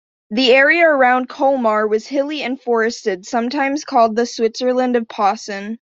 The area around Kolmar was hilly and forested, sometimes called the "Switzerland of Posen".